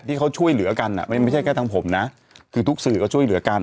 ที่เขาช่วยเหลือกันไม่ใช่แค่ทางผมนะคือทุกสื่อก็ช่วยเหลือกัน